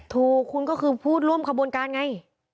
ถูกคุณก็คือผู้ร่วมขบวนการไง